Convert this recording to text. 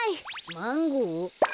マンゴー？